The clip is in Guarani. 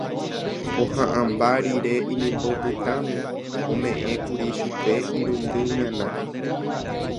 Ohã'ãmba rire inimbo pytãme, ome'ẽkuri chupe irundy ñana.